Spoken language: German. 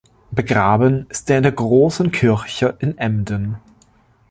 Begraben ist er in der Großen Kirche in Emden.